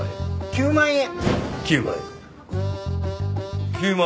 ９万円。